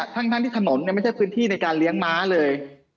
ทั้งที่ถนนไม่ใช่พื้นที่ในการเลี้ยงม้าเลย